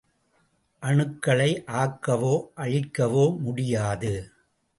அணுக்களை ஆக்கவோ அழிக்கவோ முடியாது.